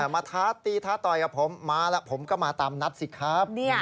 ท้าตีท้าต่อยกับผมมาแล้วผมก็มาตามนัดสิครับ